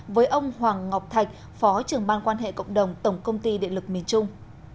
với ông hoàng ngọc thạch phó trưởng ban quan hệ cộng đồng tổng công ty điện lực miền trung